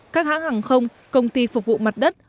các hãng hàng không công ty phục vụ mặt đất